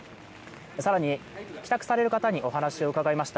更に、帰宅される方にお話を伺いました。